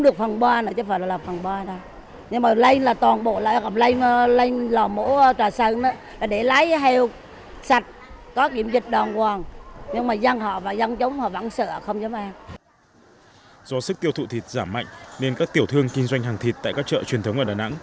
do sức tiêu thụ thịt giảm mạnh nên các tiểu thương kinh doanh hàng thịt tại các chợ truyền thống ở đà nẵng